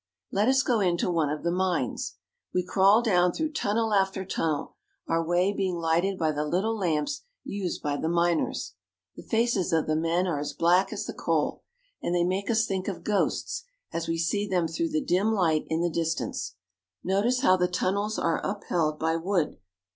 Let us go into one of the mines. We crawl down through tunnel after tunnel, our way being lighted by the little lamps used by the miners. The faces of the men are CARP. N AM. — 14 2i6 THE COAL REGIONS. 'There comes a carl' There comes a car as black as the coal, and they make us think of ghosts as we see them through the dim light in the distance. Notice how the tunnels are upheld by wood.